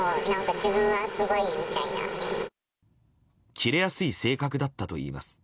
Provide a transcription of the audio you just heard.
キレやすい性格だったといいます。